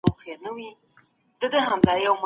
افغان حکومت د ګډو پولو په اوږدو کي قاچاق نه زغمي.